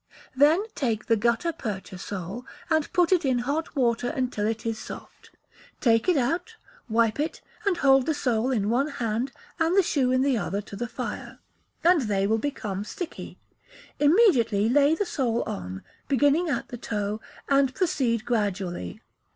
Then take the gutta percha sole, and put it in hot water until it is soft; take it out, wipe it, and hold the sole in one hand and the shoe in the other to the fire, and they will become sticky; immediately lay the sole on, beginning at the toe, and proceed gradually.